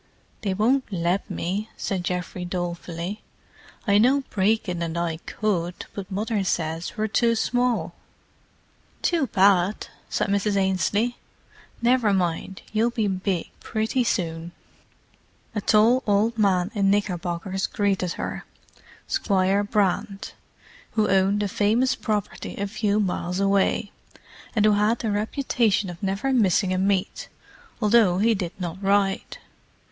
"They won't let me," said Geoffrey dolefully. "I know Brecon and I could, but Mother says we're too small." "Too bad!" said Mrs. Ainslie. "Never mind; you'll be big pretty soon." A tall old man in knickerbockers greeted her: Squire Brand, who owned a famous property a few miles away, and who had the reputation of never missing a meet, although he did not ride.